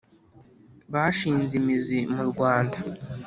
Bashinze imizi mu Rwanda.